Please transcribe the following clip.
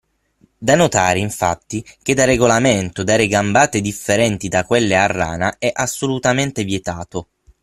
Da notare, infatti, che da regolamento dare gambate differenti da quelle a rana è assolutamente vietato.